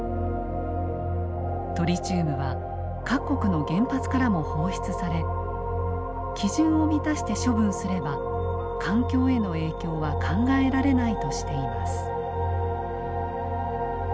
トリチウムは各国の原発からも放出され基準を満たして処分すれば環境への影響は考えられないとしています。